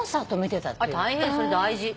大変それ大事。